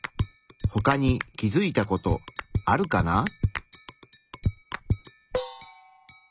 ほかに気づいたことあるかな？